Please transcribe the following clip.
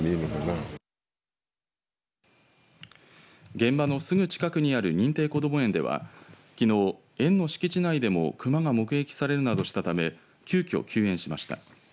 現場のすぐ近くにある認定こども園ではきのう園の敷地内でも熊が目撃されるなどしたため急きょ休園しました。